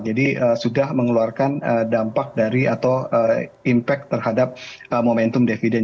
jadi sudah mengeluarkan dampak dari atau impact terhadap momentum dividen